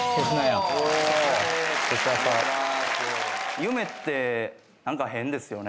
夢って何か変ですよね。